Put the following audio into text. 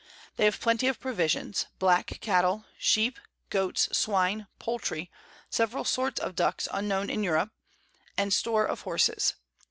They have Plenty of Provisions, black Cattle, Sheep, Goats, Swine, Poultry, several sorts of Ducks unknown in Europe, and Store of Horses.